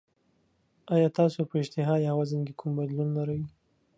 ایا تاسو په اشتها یا وزن کې کوم بدلون لرئ؟